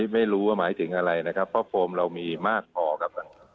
ไม่รู้ว่าหมายถึงอะไรนะครับเพราะโฟมเรามีมากพอครับ